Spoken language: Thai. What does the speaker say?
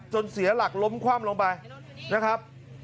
เสียหลักล้มคว่ำลงไปนะครับ